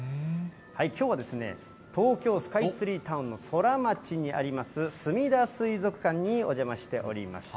きょうは東京スカイツリータウンのソラマチにあります、すみだ水族館にお邪魔しております。